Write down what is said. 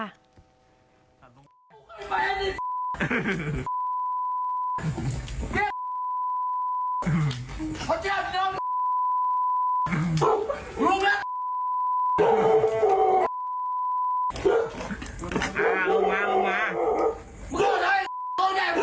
มันเป็นไหมอันนี้